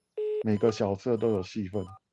每個角色都有戲份